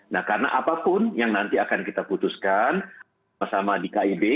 nah karena apapun yang nanti akan kita putuskan sama sama di kib